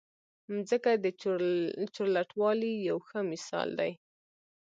مځکه د چورلټوالي یو ښه مثال دی.